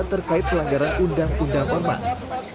terkait pelanggaran undang undang ormas